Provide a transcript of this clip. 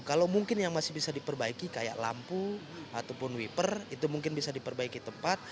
kalau mungkin yang masih bisa diperbaiki kayak lampu ataupun wiper itu mungkin bisa diperbaiki tepat